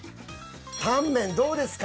タンメンどうですか？